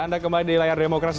anda kembali di layar demokrasi